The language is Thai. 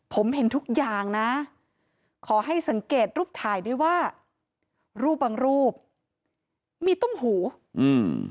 ผมเห็นทุกอย่างนะขอให้สังเกตรูปถ่ายด้วยว่ารูปบางรูปมีต้มหูอืม